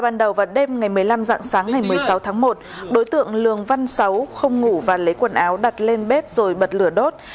ngày một mươi năm dạng sáng ngày một mươi sáu tháng một đối tượng lường văn sáu không ngủ và lấy quần áo đặt lên bếp rồi bật lửa đốt